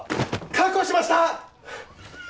確保しました！